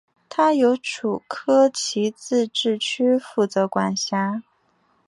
它由楚科奇自治区负责管辖。